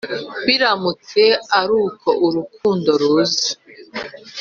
biramutse aruku urukundo ruza